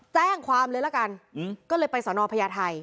แจ้งความเลยละกันก็เลยไปสอนอพญาไทย